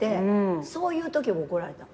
そういうときは怒られた。